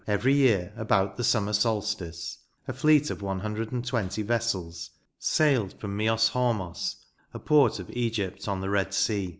Every year, about the summer solitice, a fleet of one hundred and twenty vessels sailed from Myos hormos, a port of Egypt on the Red Sea.